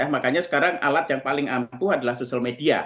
makanya sekarang alat yang paling ampuh adalah social media